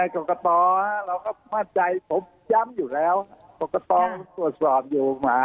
กรกตเราก็มั่นใจผมย้ำอยู่แล้วกรกตตรวจสอบอยู่หมา